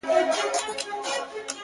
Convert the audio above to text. اوس پر ما لري.